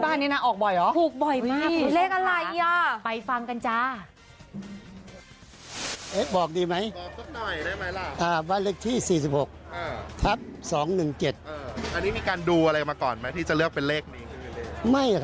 บ้านเลขที่หลังเนี่ยล็อตเตอรี่แน่นมาก